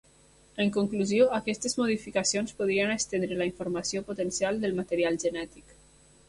En conclusió, aquestes modificacions podrien estendre la informació potencial del material genètic.